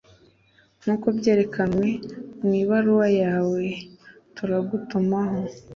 Nkuko byerekanwe mu ibaruwa yawe, turagutumaho